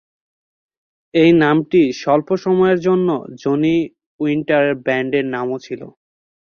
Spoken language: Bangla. এই নামটি স্বল্প সময়ের জন্য জনি উইন্টারের ব্যান্ডের নামও ছিল।